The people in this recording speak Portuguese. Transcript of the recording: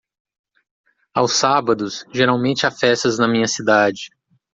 Aos sábados geralmente há festas na minha cidade.